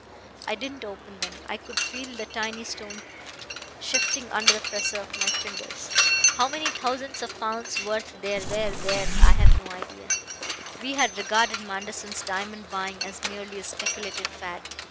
I didn't open them; I could feel the tiny stones shifting under the pressure of my fingers. How many thousands of pounds' worth there were there I have no idea. We had regarded Manderson's diamond buying as merely a speculative fad.